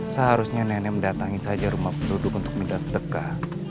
seharusnya nenek mendatangi saja rumah penduduk untuk minta sedekah